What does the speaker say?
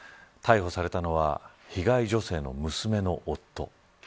逮捕されたのは被害女性の娘の夫。